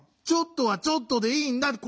「ちょっと」は「ちょっと」でいいんだ！